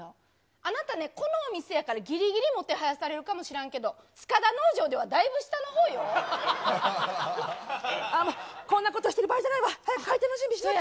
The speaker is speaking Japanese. あなたね、このお店やからぎりぎりもてはやされるかもしらんけど、塚田農場ではだいぶ下のほうよ。ああ、こんなことしてる場合じゃないわ、早く回転の準備しなきゃ。